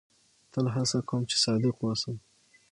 تل هڅه کوم، چي صادق واوسم.